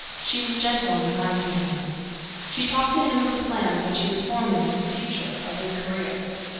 She was gentle and kind to him. She talked to him of the plans which he was forming, of his future, of his career.